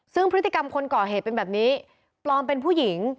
ซึ่งพฤติกรรมคนก่อเหตุเป็นแบบนี้ปลอมเป็นผู้หญิง